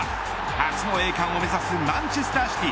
初の栄冠を目指すマンチェスター・シティ。